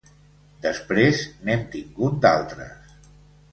Després n’hem tingut d’altres.